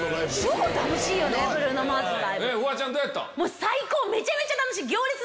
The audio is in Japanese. フワちゃんどうやった？